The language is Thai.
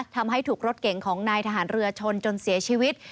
ทำให้ถูกรถเก่งของนายทหารเรือชนจนเสียชีวิต